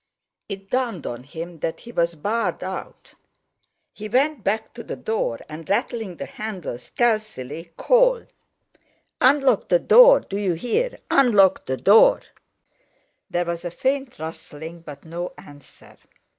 It dawned on him that he was barred out. He went back to the door, and rattling the handle stealthily, called: "Unlock the door, do you hear? Unlock the door!" There was a faint rustling, but no answer.